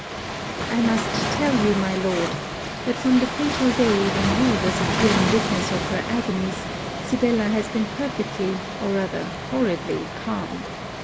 I must tell you, my Lord, that from the fatal day when you was a feeling witness of her agonies, Sibella has been perfectly or rather horridly calm.